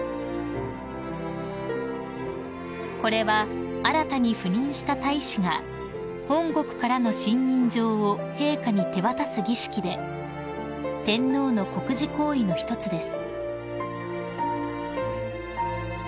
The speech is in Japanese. ［これは新たに赴任した大使が本国からの信任状を陛下に手渡す儀式で天皇の国事行為の一つです］